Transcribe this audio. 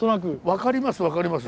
分かります分かります。